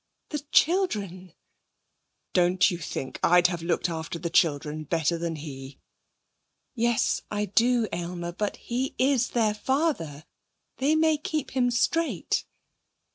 'The children ' 'Don't you think I'd have looked after the children better than he?' 'Yes, I do, Aylmer. But he is their father. They may keep him straight.'